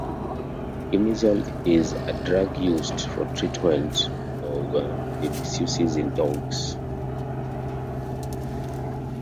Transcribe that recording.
Imizol is a drug used for treatment of babesiosis in dogs.